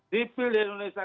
sipil di indonesia